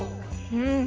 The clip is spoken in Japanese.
うん。